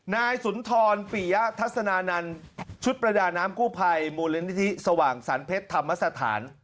นายสุนทรปิยะทัศนานันต์ชุดประดาน้ำกู้ภัยมูลนิธิสว่างสรรเพชรธรรมสถาน